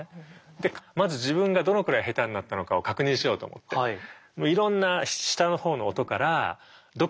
でまず自分がどのくらい下手になったのかを確認しようと思っていろんな下のほうの音からどこまでね出せるのかみたいなの。